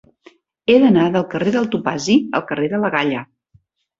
He d'anar del carrer del Topazi al carrer de la Galla.